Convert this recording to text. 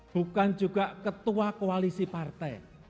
bukan juga ketua koalisi partai